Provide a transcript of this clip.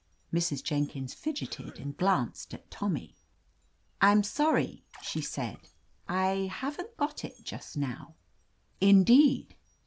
Mrs. Jenkins fidgeted, and glanced at Tommy. "I'm sorry," she said. "I — haven't got it just now." 'Indeed!"